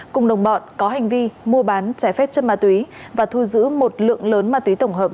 cùng đồng bọn có hành vi mua bán trái phép chất ma túy và thu giữ một lượng lớn ma túy tổng hợp